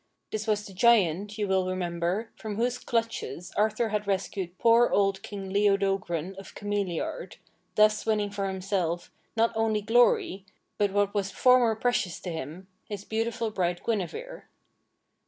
This was the giant, you will remember, from whose clutches Arthur had rescued poor old King Leodogran of Cameliard, thus winning for himself, not only glory, but what was far more precious to him — his beautiful bride Guinevere.